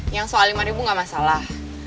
yang soal lima ribu nggak masalah